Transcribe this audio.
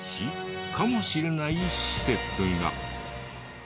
かもしれない施設が。